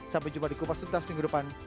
sampai jumpa di kupas tuntas minggu depan